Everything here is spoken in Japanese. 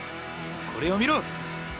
これを見ろ。